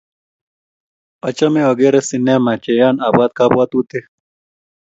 Achome agare sinema cheyaya abwat kabwatutik